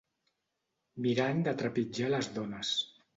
Mirant de trepitjar les dones